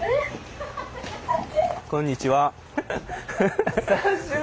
こんにちは。